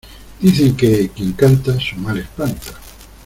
dicen que... quien canta, su mal espanta .